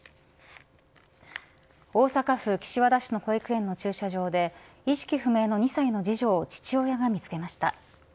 大阪府岸和田市の保育園の駐車場で意識不明の２歳の次女を父親が見つけました。